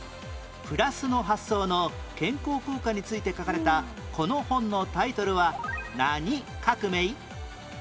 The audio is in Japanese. プラスの発想の健康効果について書かれたこの本のタイトルは何革命？